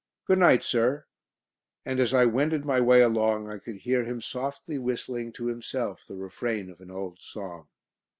"Good night, sir!" And as I wended my way along I could hear him softly whistling to himself the refrain of an old song.